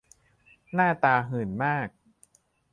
หน้าตาหื่นมาก